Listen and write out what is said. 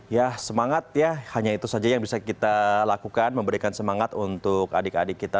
ya semangat ya hanya itu saja yang bisa kita lakukan memberikan semangat untuk adik adik kita